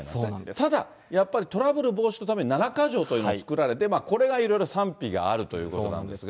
ただ、やっぱりトラブル防止のために七か条というのを作られて、これがいろいろ賛否があるということなんですが。